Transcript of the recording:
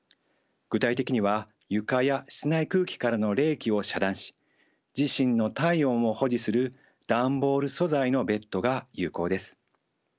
具体的には床や室内空気からの冷気を遮断し自身の体温を保持する段ボール素材のベッドが有効です。